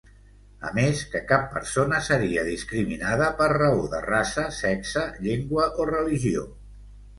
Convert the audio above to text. A més que cap persona seria discriminada per raó de raça, sexe, llengua o religió.